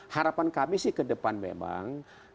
harapan kami sih ke depan memang ketika pemerintah membuat satu karya